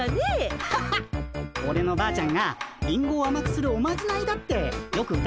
アハハッオレのばあちゃんがリンゴをあまくするおまじないだってよく歌ってたんすよね。